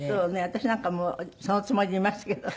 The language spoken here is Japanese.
私なんかもうそのつもりでいますけど。